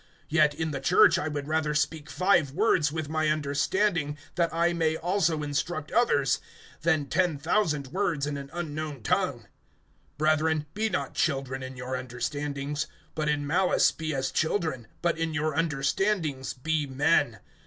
(19)Yet in the church I would rather speak five words with my understanding, that I may also instruct others, than ten thousand words in an unknown tongue. (20)Brethren, be not children in your understandings; but in malice be as children, but in your understandings be men.